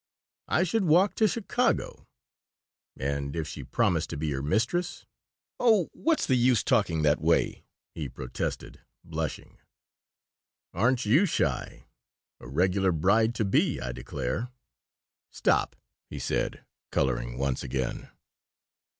"I should walk to Chicago." "And if she promised to be your mistress?" "Oh, what's the use talking that way?" he protested, blushing. "Aren't you shy! A regular bride to be, I declare." "Stop!" he said, coloring once again.